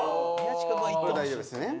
これ大丈夫ですね。